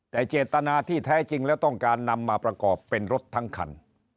แต่เจตนาที่แท้จริงแล้วต้องการนำมาประกอบเป็นรถทั้งคัน